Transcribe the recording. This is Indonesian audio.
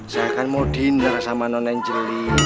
saya kan mau dindar sama non enjeli